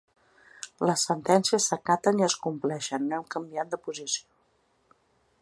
Les sentències s’acaten i es compleixen, no hem canviat de posició.